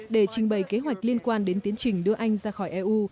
để trình bày kế hoạch liên quan đến tiến trình đưa anh ra khỏi eu